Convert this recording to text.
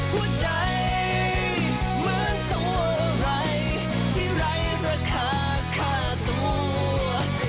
หัวใจเหมือนตัวอะไรที่ไร้ราคาค่าตัว